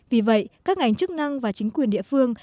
vì vậy các ngành chức năng và chính quyền địa phương